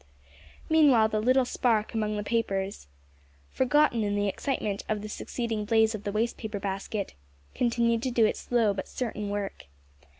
Meanwhile the "little spark" among the papers forgotten in the excitement of the succeeding blaze of the waste paper basket continued to do its slow but certain work.